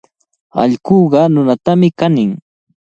Allquqa nunatami kanin.